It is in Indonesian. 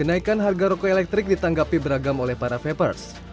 kenaikan harga rokok elektrik ditanggapi beragam oleh para vapers